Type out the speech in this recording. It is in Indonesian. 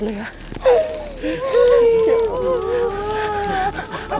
ibu baik baik saja kok sabar